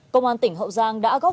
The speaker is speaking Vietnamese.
công an tỉnh hậu giang đã góp